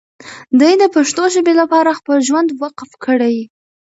دی د پښتو ژبې لپاره خپل ژوند وقف کړی.